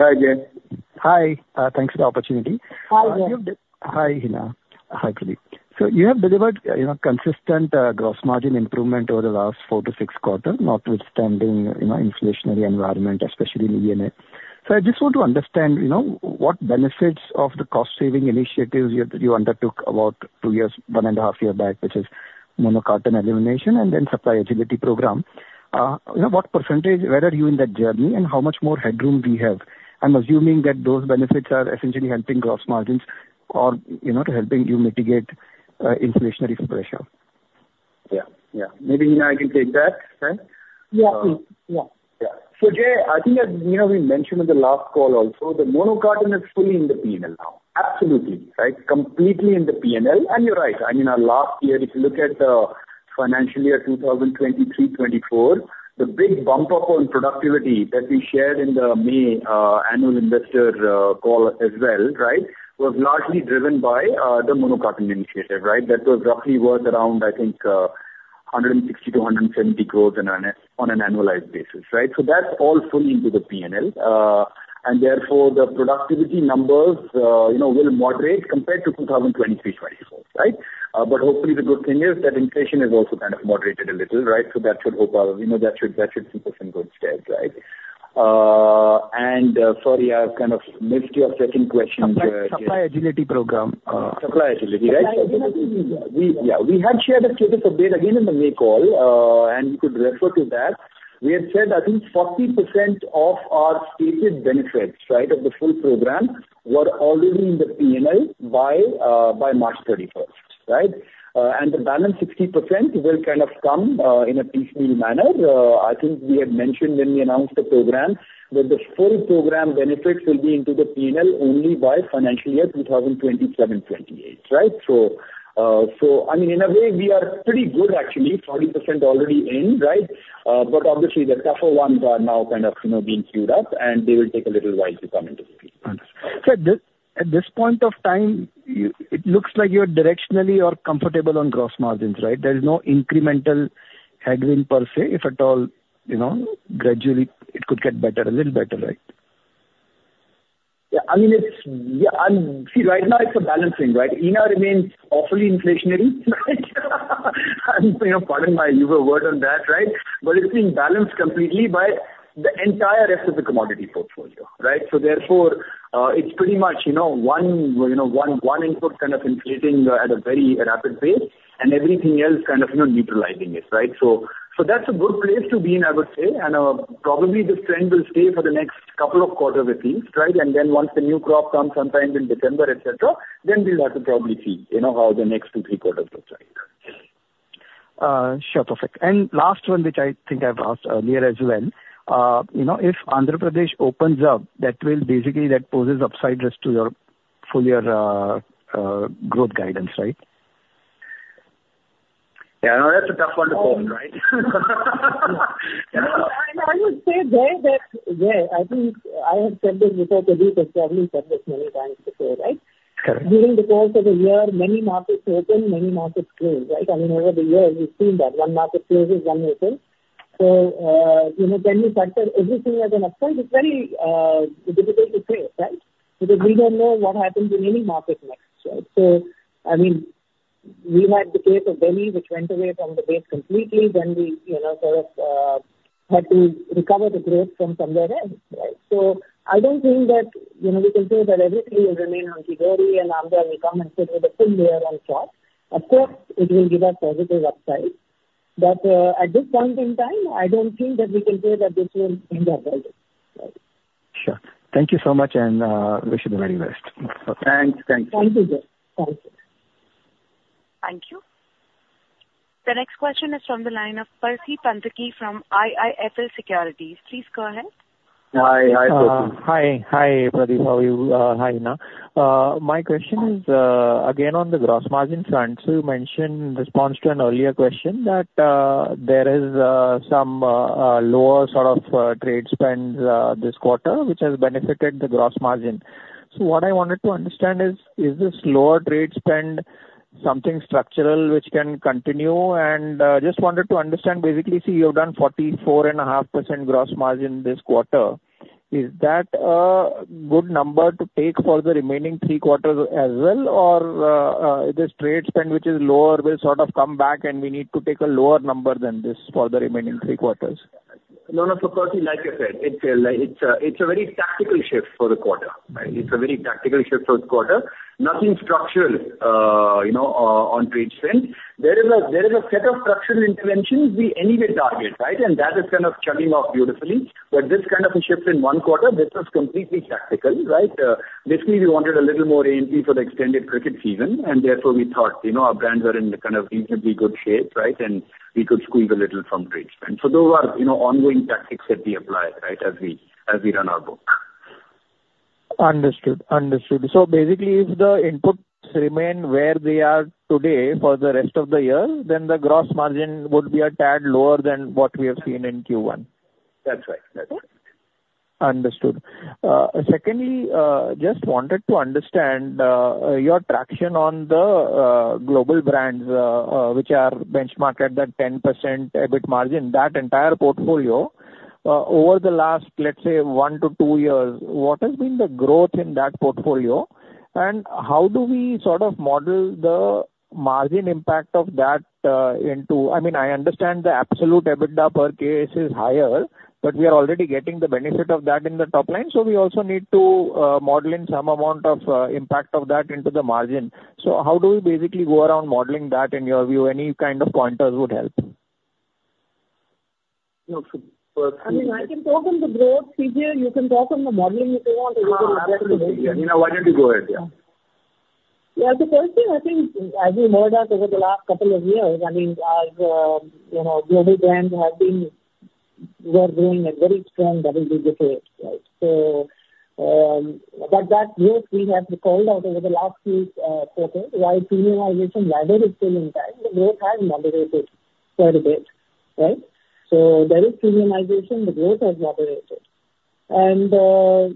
Hi, Jay.
Hi, thanks for the opportunity.
Hi, Jay.
Hi, Hina. Hi, Pradeep. So you have delivered, you know, consistent gross margin improvement over the last 4-6 quarters, notwithstanding, you know, inflationary environment, especially in PNA. So I just want to understand, you know, what benefits of the cost-saving initiatives you undertook about two years, one and a half years back, which is mono carton elimination and then Supply Agility Program. You know, what percentage, where are you in that journey, and how much more headroom do you have? I'm assuming that those benefits are essentially helping gross margins or, you know, helping you mitigate inflationary pressure.
Yeah, yeah. Maybe, Hina, I can take that, right?
Yeah, please. Yeah.
Yeah. So, Jay, I think that, you know, we mentioned in the last call also, the mono carton is fully in the P&L now. Absolutely, right? Completely in the P&L. And you're right, I mean, our last year, if you look at the financial year 2023-24, the big bump up on productivity that we shared in the May annual investor call as well, right? Was largely driven by the mono carton initiative, right? That was roughly worth around, I think, 160-170 crores on an annualized basis, right? So that's all fully into the P&L. And therefore, the productivity numbers, you know, will moderate compared to 2023-24, right? But hopefully, the good thing is that inflation is also kind of moderated a little, right? So that should help our... You know, that should see us in good stead, right? Sorry, I've kind of missed your second question.
Supply Agility Program.
Supply agility, right?
Supply agility.
We, yeah, we had shared the status of it again in the May call. You could refer to that. We had said, I think 40% of our stated benefits, right, of the full program were already in the P&L by, by March 31st, right? And the balance 60% will kind of come in a piecemeal manner. I think we had mentioned when we announced the program, that the full program benefits will be into the P&L only by financial year 2027, 2028, right? So, so I mean, in a way, we are pretty good actually, 40% already in, right? But obviously, the tougher ones are now kind of, you know, being queued up, and they will take a little while to come into play.
Understood. So at this, at this point of time, you-- it looks like you're directionally are comfortable on gross margins, right? There is no incremental headwind per se, if at all, you know, gradually it could get better, a little better, right?
Yeah, I mean, it's... Yeah, see, right now it's a balancing, right? ENA remains awfully inflationary. And, you know, pardon the pun on that, right? But it's being balanced completely by the entire rest of the commodity portfolio, right? So therefore, it's pretty much, you know, one input kind of inflating at a very rapid pace, and everything else kind of, you know, neutralizing it, right? So that's a good place to be in, I would say, and probably this trend will stay for the next couple of quarters at least, right? And then once the new crop comes sometime in December, etc., then we'll have to probably see, you know, how the next two, three quarters look like.
Sure. Perfect. And last one, which I think I've asked earlier as well. You know, if Andhra Pradesh opens up, that will basically, that poses upside risk to your, for your, growth guidance, right?
Yeah, I know that's a tough one to call, right?
You know, and I would say there that, yeah, I think I have said this before, Pradeep has probably said this many times before, right?
Correct.
During the course of the year, many markets open, many markets close, right? I mean, over the years, we've seen that one market closes, one opens. So, you know, can we factor everything as an upside? It's very difficult to say, right? Because we don't know what happens in any market next, right? So, I mean, we had the case of Delhi, which went away from the base completely. Then we, you know, sort of, had to recover the growth from somewhere else, right? So I don't think that, you know, we can say that everything will remain on category, and Andhra will come and stay with the full year on track. Of course, it will give us positive upside, but, at this point in time, I don't think that we can say that this will end up well, right.
Sure. Thank you so much, and wish you the very best.
Thanks. Thank you.
Thank you, sir. Thank you.
Thank you. The next question is from the line of Percy Panthaki from IIFL Securities. Please go ahead.
Hi, hi, Percy.
Hi, hi, Pradeep. How are you? Hi, Hina. My question is, again, on the gross margin front. So you mentioned in response to an earlier question that there is some lower sort of trade spends this quarter, which has benefited the gross margin. So what I wanted to understand is, is this lower trade spend something structural which can continue? And just wanted to understand basically, see, you've done 44.5% gross margin this quarter. Is that a good number to take for the remaining three quarters as well? Or this trade spend which is lower will sort of come back, and we need to take a lower number than this for the remaining three quarters?
No, no, so Parthy, like I said, it's a very tactical shift for the quarter, right? It's a very tactical shift for the quarter. Nothing structural, you know, on trade spend. There is a set of structural interventions we anyway target, right? And that is kind of chugging off beautifully. But this kind of a shift in one quarter, this is completely tactical, right? This we wanted a little more AP for the extended cricket season, and therefore, we thought, you know, our brands are in kind of reasonably good shape, right? And we could squeeze a little from trade spend. So those are, you know, ongoing tactics that we apply, right, as we run our book.
Understood. Understood. So basically, if the inputs remain where they are today for the rest of the year, then the gross margin would be a tad lower than what we have seen in Q1.
That's right. That's right.
Understood. Secondly, just wanted to understand your traction on the global brands, which are benchmarked at that 10% EBIT margin, that entire portfolio, over the last, let's say, one to two years, what has been the growth in that portfolio? And how do we sort of model the margin impact of that into... I mean, I understand the absolute EBITDA per case is higher, but we are already getting the benefit of that in the top line, so we also need to model in some amount of impact of that into the margin. So how do we basically go around modeling that, in your view? Any kind of pointers would help.
Look, so first-
I mean, I can talk on the growth, PJ. You can talk on the modeling, if you want.
Absolutely. Yeah, Hina, why don't you go ahead? Yeah.
Yeah, so firstly, I think as you know that over the last couple of years, I mean, our you know beauty brands have been were growing at very strong double-digit rate, right? So but that growth we have called out over the last few quarters, while premiumization lever is still intact, the growth has moderated quite a bit, right? So there is premiumization, the growth has moderated. And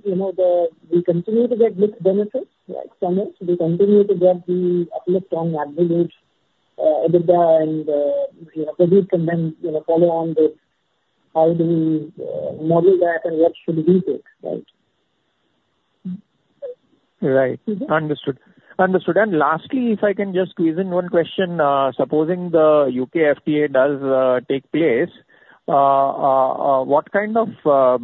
you know the we continue to get good benefits, like some, we continue to get the uplift from aggregate EBITDA, and you know Pradeep can then you know follow on with how do we model that and what should we take, right?
Right.
Mm-hmm.
Understood. Understood, and lastly, if I can just squeeze in one question. Supposing the UK FTA does take place, what kind of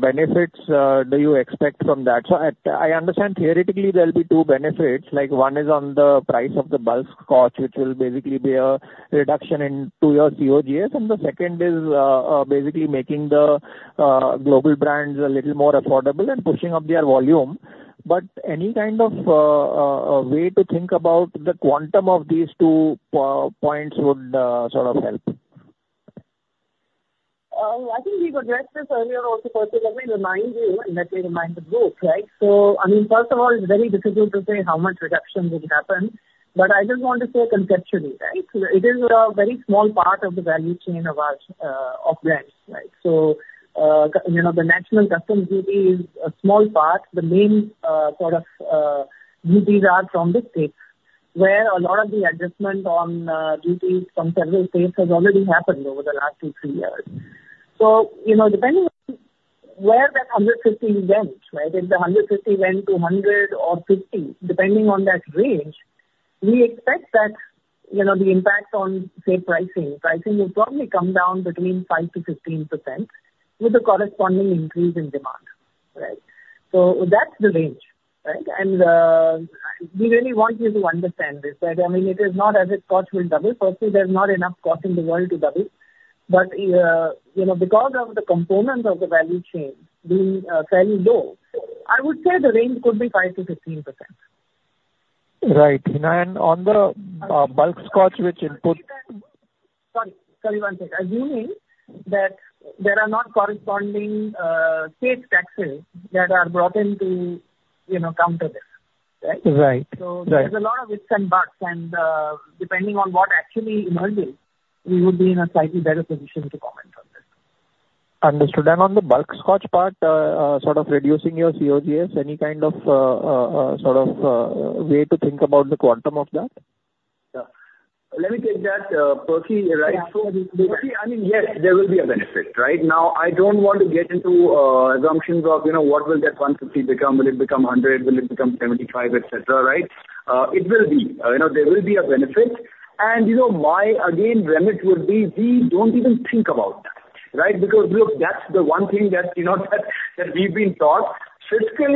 benefits do you expect from that? So I understand theoretically there'll be two benefits, like, one is on the price of the bulk scotch, which will basically be a reduction in to your COGS. And the second is basically making the global brands a little more affordable and pushing up their volume. But any kind of a way to think about the quantum of these two points would sort of help.
I think we've addressed this earlier on, so firstly let me remind you, and let me remind the group, right? So, I mean, first of all, it's very difficult to say how much reduction would happen, but I just want to say conceptually, right? It is a very small part of the value chain of our, of brands, right? So, you know, the national customs duty is a small part. The main, sort of, duties are from the states, where a lot of the adjustment on, duties from several states has already happened over the last two, three years. So, you know, depending on where that 150 went, right? If the 150 went to 100 or 50, depending on that range, we expect that, you know, the impact on, say, pricing. Pricing will probably come down between 5%-15% with the corresponding increase in demand, right? So that's the range, right? And we really want you to understand this, that, I mean, it is not as if scotch will double. Firstly, there's not enough scotch in the world to double, but you know, because of the components of the value chain being fairly low, I would say the range could be 5%-15%.
Right. And on the bulk scotch, which input-
Sorry, sorry, one second. Assuming that there are not corresponding state taxes that are brought in to, you know, counter this, right?
Right. Right.
There's a lot of ifs and buts, and, depending on what actually emerges, we would be in a slightly better position to comment on this.
Understood. On the bulk scotch part, sort of reducing your COGS, any kind of, sort of, way to think about the quantum of that?
Yeah. Let me take that, Percy, right?
Yeah.
So, Percy, I mean, yes, there will be a benefit, right? Now, I don't want to get into assumptions of, you know, what will that 150 become. Will it become 100? Will it become 75, etc., right? It will be. You know, there will be a benefit, and, you know, my, again, remit would be we don't even think about that, right? Because, look, that's the one thing that, you know, that, that we've been taught. Fiscal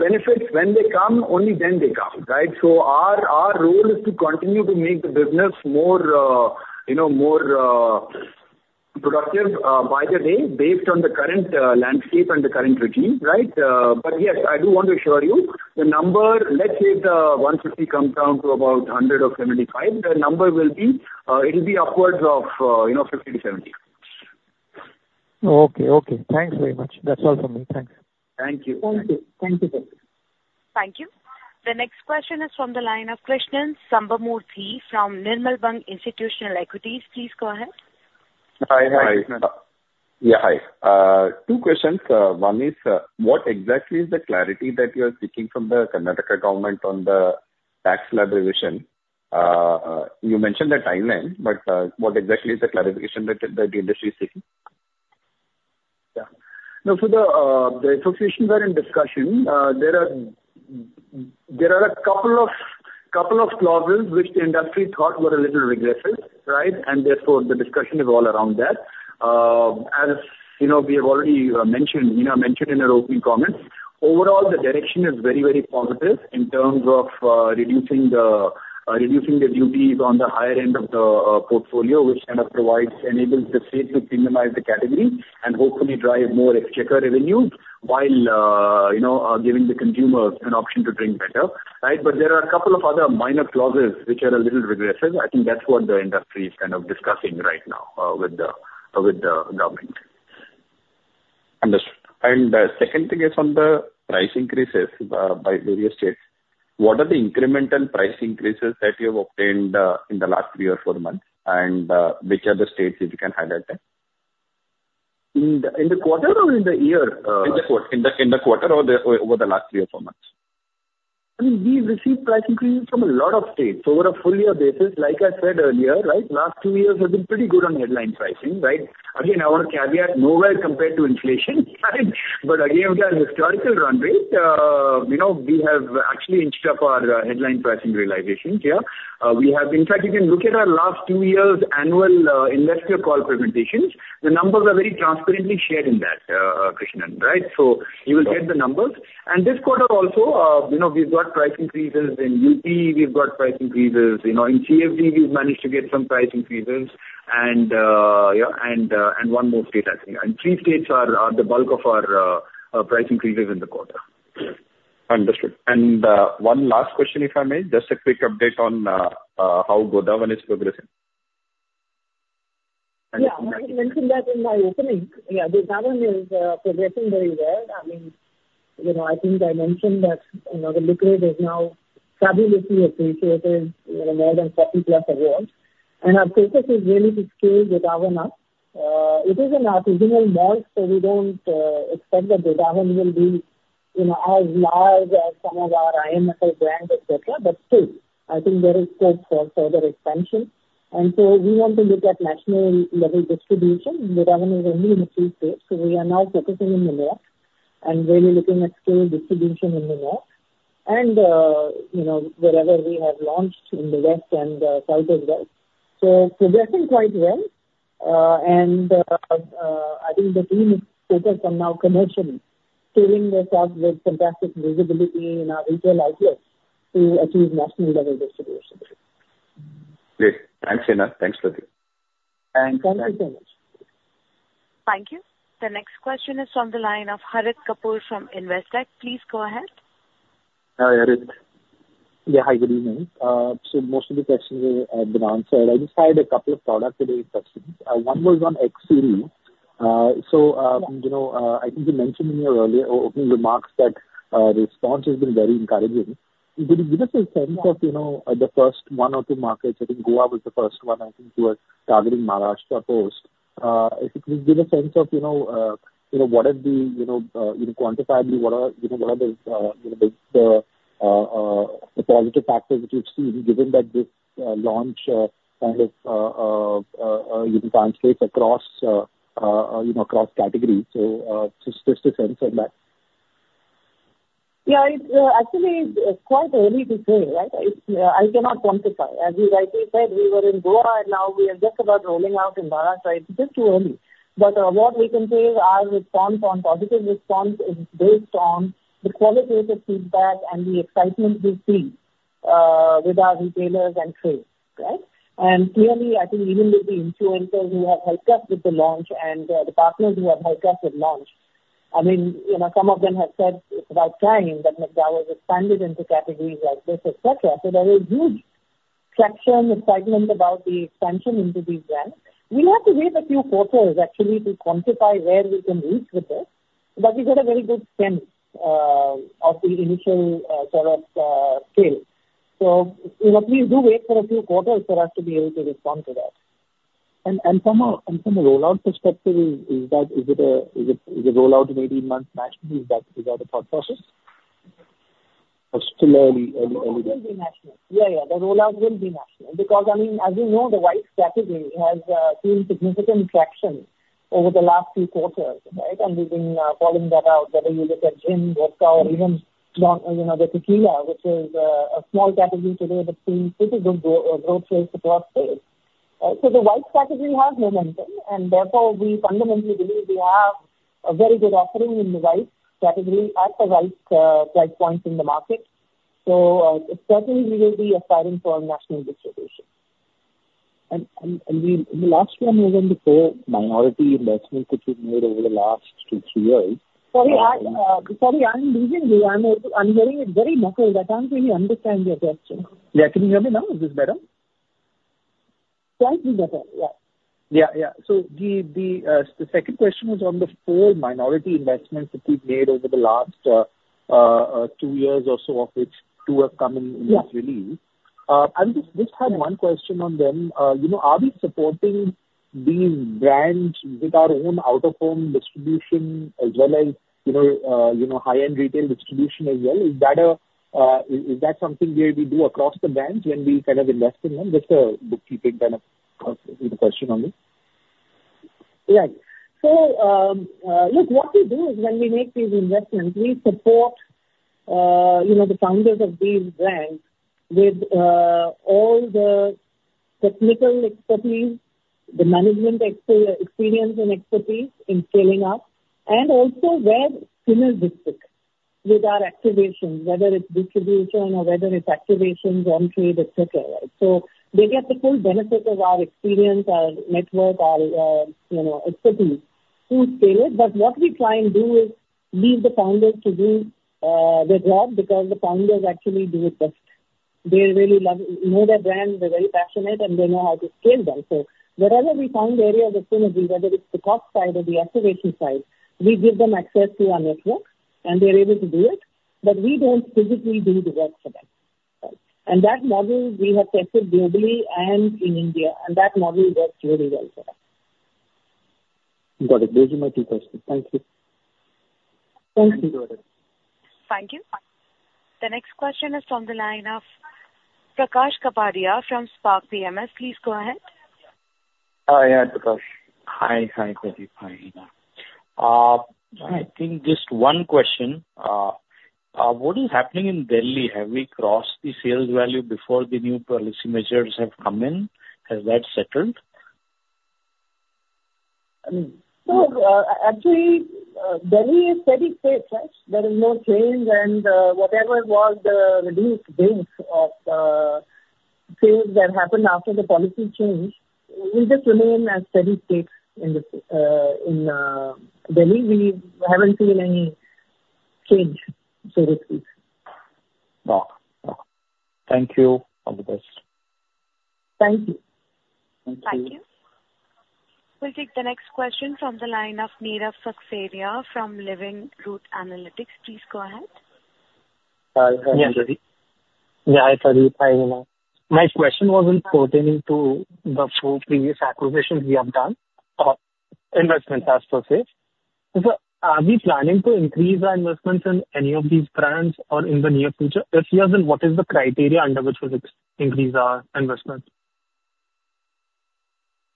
benefits, when they come, only then they come, right? So our, our role is to continue to make the business more, you know, more productive by the day, based on the current landscape and the current regime, right? Yes, I do want to assure you, the number, let's say the 150 comes down to about 100 or 75, the number will be, it'll be upwards of, you know, 50-70.
Okay, okay. Thanks very much. That's all from me. Thanks.
Thank you.
Thank you. Thank you, Percy.
Thank you. The next question is from the line of Krishnan Sambamurthy from Nirmal Bang Institutional Equities. Please go ahead.
Hi, hi. Yeah, hi. Two questions. One is, what exactly is the clarity that you are seeking from the Karnataka government on the tax slab revision? You mentioned the timeline, but, what exactly is the clarification that the industry is seeking?
Yeah. No, so the association were in discussion. There are a couple of, couple of clauses which the industry thought were a little regressive, right? And therefore, the discussion is all around that. As, you know, we have already mentioned, you know, mentioned in our opening comments, overall, the direction is very, very positive in terms of reducing the duties on the higher end of the portfolio, which kind of provides, enables the state to premiumize the category and hopefully drive more exchequer revenues, while, you know, giving the consumers an option to drink better, right? But there are a couple of other minor clauses which are a little regressive. I think that's what the industry is kind of discussing right now with the government.
Understood. The second thing is on the price increases by various states. What are the incremental price increases that you have obtained in the last three or four months? Which are the states, if you can highlight them?
In the quarter or in the year,
In the quarter. In the quarter or over the last three or four months.
I mean, we've received price increases from a lot of states over a full year basis. Like I said earlier, right, last two years have been pretty good on headline pricing, right? Again, I want to caveat, nowhere compared to inflation, right? But again, with our historical runway, you know, we have actually inched up our, headline pricing realizations here. In fact, you can look at our last two years' annual, investor call presentations. The numbers are very transparently shared in that, Krishnan, right? So you will get the numbers. And this quarter also, you know, we've got price increases in UT, we've got price increases, you know, in CFD, we've managed to get some price increases, and, yeah, and, and one more state, I think. Three states are the bulk of our price increases in the quarter.
Understood. And, one last question, if I may. Just a quick update on, how Godawan is progressing?
Yeah, I mentioned that in my opening. Yeah, Godawan is progressing very well. I mean, you know, I think I mentioned that, you know, the liquor award has now substantially appreciated, you know, more than 40+ awards, and our focus is really to scale Godawan up. It is an artisanal brand, so we don't expect that Godawan will be, you know, as large as some of our IMFL brands, etc.. But still, I think there is scope for further expansion, and so we want to look at national-level distribution. Godawan is only in a few states, so we are now focusing in the north and really looking at scale distribution in the north, and, you know, wherever we have launched in the west and south as well. So progressing quite well. I think the team is focused on now commercially scaling this up with fantastic visibility in our retail outlets to achieve national level distribution.
Great! Thanks, Hina. Thanks, Pradeep.
Thanks. Thank you so much.
Thank you. The next question is from the line of Harit Kapoor from Investec. Please go ahead.
Hi, Harit. Yeah, hi,
good evening. So most of the questions have, have been answered. I just had a couple of product-related questions. One was on X Series. So, you know, I think you mentioned in your earlier opening remarks that response has been very encouraging. Could you give us a sense of, you know, the first one or two markets? I think Goa was the first one. I think you were targeting Maharashtra post. If you could give a sense of, you know, you know, what are the, you know, even quantifiably, what are, you know, what are the, you know, the, the positive factors which you've seen, given that this launch kind of you can translate across, you know, across categories. So, just, just a sense on that.
Yeah, it's actually, it's quite early to say, right? It's. I cannot quantify. As we rightly said, we were in Goa, and now we are just about rolling out in Maharashtra. It's just too early. But what we can say is our response on positive response is based on the qualitative feedback and the excitement we see with our retailers and trade, right? And clearly, I think even with the influencers who have helped us with the launch and the partners who have helped us with launch, I mean, you know, some of them have said it's about time that McDowell's expanded into categories like this, etc.. So there is huge traction and excitement about the expansion into these brands. We'll have to wait a few quarters actually to quantify where we can reach with this, but we've got a very good sense of the initial sort of scale. So, you know, please do wait for a few quarters for us to be able to respond to that.
And from a rollout perspective, is it a rollout in 18 months nationally? Is that the thought process? Or still early days?
Rollout will be national. Yeah, yeah, the rollout will be national. Because, I mean, as you know, the whites category has seen significant traction over the last few quarters, right? And we've been calling that out, whether you look at gin, vodka or even, you know, the tequila, which is a small category today, but seeing pretty good growth rate across sales. So the whites category has momentum, and therefore, we fundamentally believe we have a very good offering in the whites category at the right price point in the market. So, certainly we will be aspiring for national distribution.
And the last one was on the four minority investments which you've made over the last two, three years.
Sorry, I... Sorry, I'm losing you. I'm a little... I'm hearing it very muffled. I can't really understand your question.
Yeah. Can you hear me now? Is this better?
Slightly better, yeah.
Yeah, yeah. So the second question was on the four minority investments that we've made over the last two years or so, of which two have come in recently.
Yeah.
I just had one question on them. You know, are we supporting these brands with our own out-of-home distribution as well as, you know, high-end retail distribution as well? Is that something where we do across the brands when we kind of invest in them? Just a bookkeeping kind of question on this.
Right. So, look, what we do is when we make these investments, we support, you know, the founders of these brands with, all the technical expertise, the management experience and expertise in scaling up, and also where synergistic with our activations, whether it's distribution or whether it's activations on trade, etc.. So they get the full benefit of our experience, our network, our, you know, expertise to scale it. But what we try and do is leave the founders to do, their job, because the founders actually do it best. They really love know their brands, they're very passionate, and they know how to scale them. Wherever we find areas of synergy, whether it's the cost side or the activation side, we give them access to our network, and they're able to do it, but we don't physically do the work for them. That model we have tested globally and in India, and that model works really well for us.
Got it. Those are my two questions. Thank you.
Thank you.
Thank you. The next question is from the line of Prakash Kapadia from Spark PMS. Please go ahead.
Hi, yeah, Prakash. Hi, hi, Pradeep. Hi, Hina. I think just one question. What is happening in Delhi? Have we crossed the sales value before the new policy measures have come in? Has that settled?
Actually, Delhi is steady state, right? There is no change, and whatever was the reduced rates of things that happened after the policy change, we're just remaining at steady state in Delhi. We haven't seen any change so to speak.
Thank you. All the best.
Thank you.
Thank you.
Thank you. We'll take the next question from the line of Mairav Saxena from Living Root Analytics. Please go ahead.
Hi. Yeah, Pradeep. Yeah, hi, Pradeep. Hi, Hina. My question was in pertaining to the 4 previous acquisitions we have done or investments, as per se. So are we planning to increase our investments in any of these brands or in the near future? If yes, then what is the criteria under which we'll increase our investments?...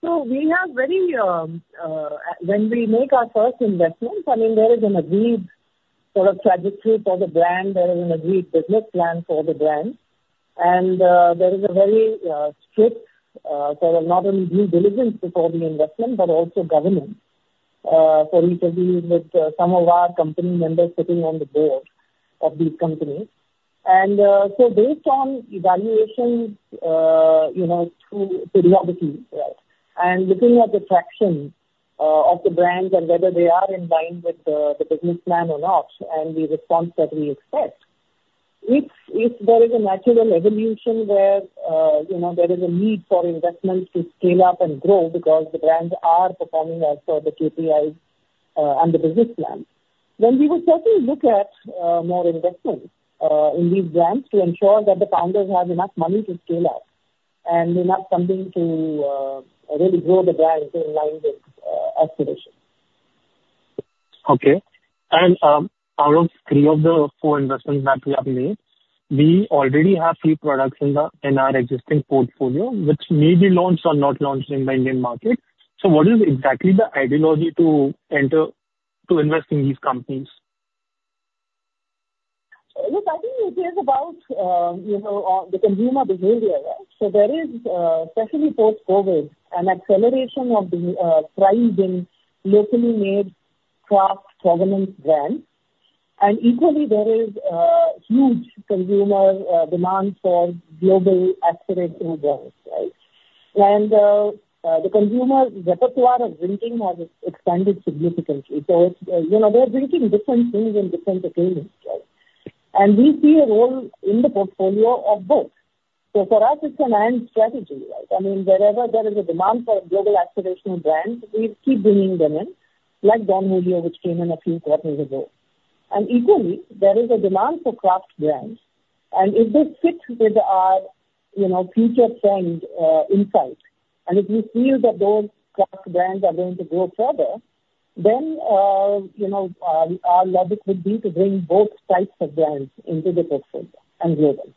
So we have very, when we make our first investments, I mean, there is an agreed sort of trajectory for the brand. There is an agreed business plan for the brand, and there is a very, strict, sort of not only due diligence before the investment, but also governance, for interviews with, some of our company members sitting on the board of these companies. And, so based on evaluations, you know, through periodically, right? Looking at the traction of the brands and whether they are in line with the business plan or not, and the response that we expect, if there is a natural evolution where you know there is a need for investment to scale up and grow because the brands are performing as per the KPIs and the business plan, then we would certainly look at more investments in these brands to ensure that the founders have enough money to scale up and enough something to really grow the brand in line with aspiration.
Okay. Out of three of the four investments that we have made, we already have three products in our existing portfolio, which may be launched or not launched in the Indian market. So what is exactly the ideology to invest in these companies?
Look, I think it is about, you know, the consumer behavior, right? So there is, especially post-COVID, an acceleration of the, pride in locally made craft provenance brands. And equally, there is, huge consumer, demand for global aspirational brands, right? And, the consumer repertoire of drinking has expanded significantly. So it's, you know, they're drinking different things in different occasions, right? And we see a role in the portfolio of both. So for us, it's an iron strategy, right? I mean, wherever there is a demand for global aspirational brands, we keep bringing them in, like Don Julio, which came in a few quarters ago. And equally, there is a demand for craft brands. If this fits with our, you know, future trend, insight, and if we feel that those craft brands are going to grow further, then, you know, our logic would be to bring both types of brands into the portfolio and global.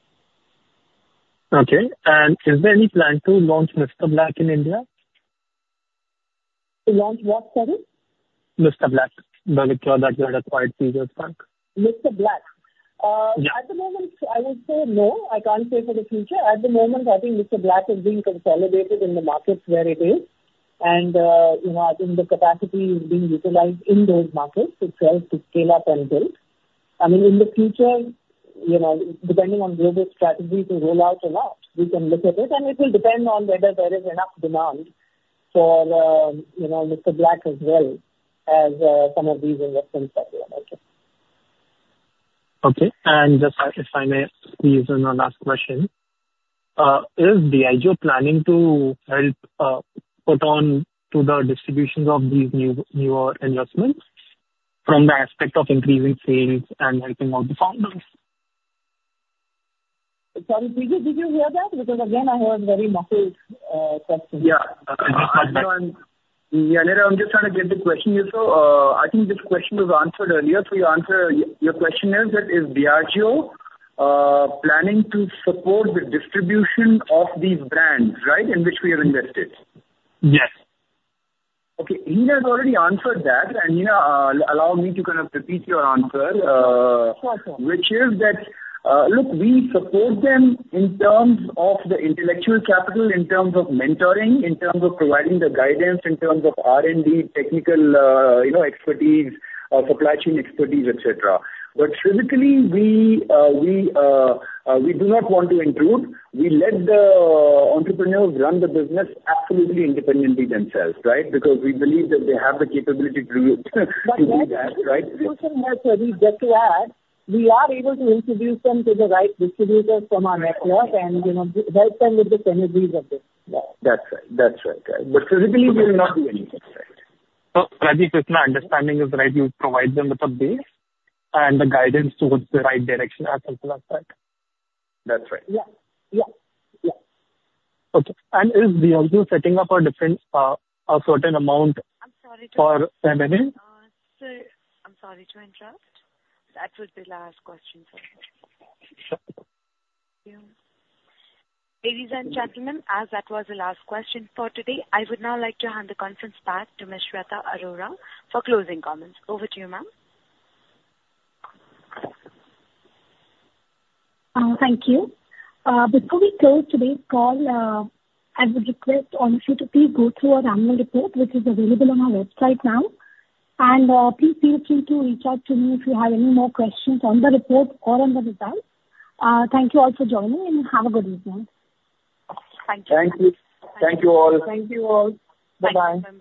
Okay. Is there any plan to launch Mr Black in India?
To launch what, sorry?
Mr Black, the liquor that you had acquired a few years back.
Mr. Black?
Yeah.
At the moment, I would say no. I can't say for the future. At the moment, I think Mr. Black is being consolidated in the markets where it is, and, you know, and the capacity is being utilized in those markets itself to scale up and build. I mean, in the future, you know, depending on whether strategy to roll out or not, we can look at it, and it will depend on whether there is enough demand for, you know, Mr. Black as well as, some of these investments that we have made.
Okay. And just if, if I may please one last question. Is Diageo planning to help put on to the distributions of these new, newer investments from the aspect of increasing sales and helping out the founders?
Sorry, Pradeep, did you hear that? Because, again, I heard very muffled question.
Yeah. Yeah, I'm just trying to get the question here. So, I think this question was answered earlier. To answer... Your question is that, is Diageo planning to support the distribution of these brands, right? In which we have invested.
Yes.
Okay, Hina has already answered that. And, Hina, allow me to kind of repeat your answer.
Sure, sure.
-which is that, look, we support them in terms of the intellectual capital, in terms of mentoring, in terms of providing the guidance, in terms of R&D, technical, you know, expertise, supply chain expertise, etc.. But physically, we do not want to intrude. We let the entrepreneurs run the business absolutely independently themselves, right? Because we believe that they have the capability to do that, right?
Just to add, we are able to introduce them to the right distributors from our network and, you know, help them with the synergies of this.
That's right, that's right. But physically, we will not do anything.
Prajit, if my understanding is right, you provide them with a base and the guidance towards the right direction or something like that?
That's right.
Yeah. Yeah. Yeah.
Okay. And is Diageo setting up a different, a certain amount?
I'm sorry to interrupt.
Ma'am, sorry.
Sir, I'm sorry to interrupt. That was the last question, sir. Thank you. Ladies and gentlemen, as that was the last question for today, I would now like to hand the conference back to Ms. Shweta Arora for closing comments. Over to you, ma'am.
Thank you. Before we close today's call, I would request all of you to please go through our annual report, which is available on our website now. Please feel free to reach out to me if you have any more questions on the report or on the results. Thank you all for joining, and have a good evening.
Thank you.
Thank you. Thank you, all.
Thank you, all.
Bye-bye.
Thank you.